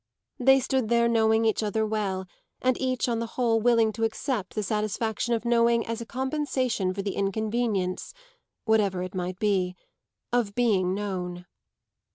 They stood there knowing each other well and each on the whole willing to accept the satisfaction of knowing as a compensation for the inconvenience whatever it might be of being known.